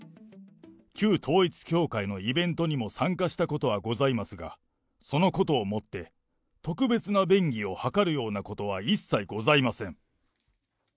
旧統一教会のイベントにも参加したことはございますが、そのことをもって、特別な便宜を図るようなことは一切ございません。